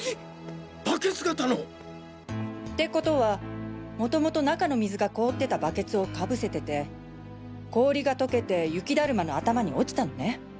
バケツ型の？ってことは元々中の水が凍ってたバケツをかぶせてて氷が溶けて雪だるまの頭に落ちたのね。